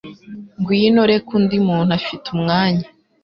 Ngwino , reka undi muntu afite umwanya.